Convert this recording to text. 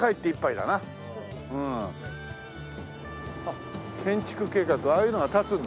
あっ「建築計画」ああいうのが建つんだ。